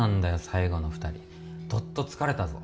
最後の２人どっと疲れたぞ